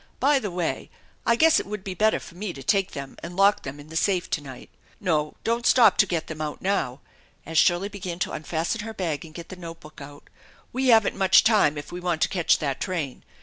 By the way, I guess it would be better for me to take them and lock them in the safe to night. No, don't stop to get them out now" as Shirley began to unfasten her bag and get the note book out " We haven't much time if we want to catch that train.